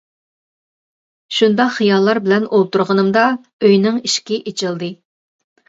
شۇنداق خىياللار بىلەن ئولتۇرغىنىمدا ئۆينىڭ ئىشىكى ئېچىلدى.